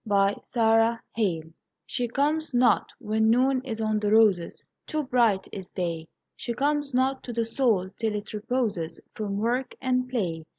Y Z She Comes Not She comes not when Noon is on the roses Too bright is Day. She comes not to the Soul till it reposes From work and play.